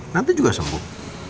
nanti juga sembuh